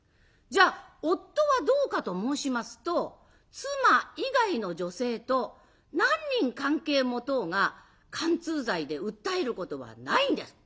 じゃあ夫はどうかと申しますと妻以外の女性と何人関係持とうが姦通罪で訴えることはないんです。